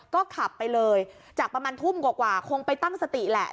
ก็ขับไปเลยจากประมาณทุ่มกว่าคงไปตั้งสติแหละ